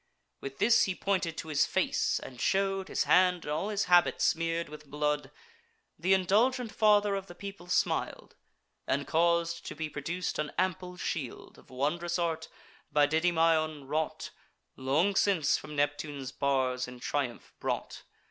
With this he pointed to his face, and show'd His hand and all his habit smear'd with blood. Th' indulgent father of the people smil'd, And caus'd to be produc'd an ample shield, Of wondrous art, by Didymaon wrought, Long since from Neptune's bars in triumph brought.